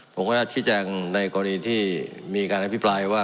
ผมขอรับชิดแจงในกรณีที่มีการให้พิพลายว่า